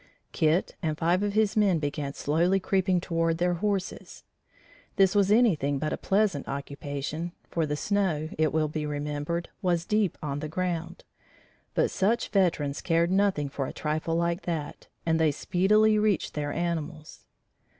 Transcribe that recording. Kit and five of his men began slowly creeping toward their horses. This was anything but a pleasant occupation, for the snow, it will be remembered, was deep on the ground; but such veterans cared nothing for a trifle like that, and they speedily reached their animals.